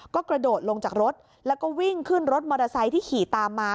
ก็กระโดดลงจากรถแล้วก็วิ่งขึ้นรถมอเตอร์ไซค์ที่ขี่ตามมา